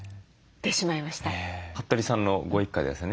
服部さんのご一家ではですね